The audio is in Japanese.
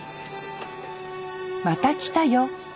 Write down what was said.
「また来たよ」